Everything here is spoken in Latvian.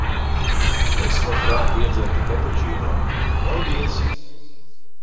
Es labprāt iedzertu kapučīno. Paldies!